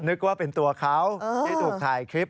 นึกว่าเป็นตัวเขาที่ถูกถ่ายคลิป